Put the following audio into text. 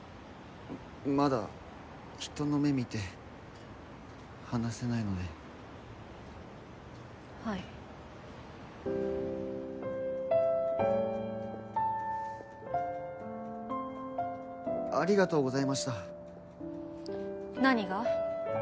まだ人の目見て話せないのではいありがとうございました何が？